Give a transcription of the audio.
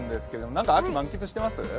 なんか秋、満喫してます？